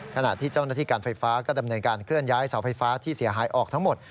ขณะที่เจ้าหน้าที่การไฟฟ้าก็ดำเนินการเคลื่อนย้ายเสาไฟฟ้าที่เสียหายออกทั้งหมด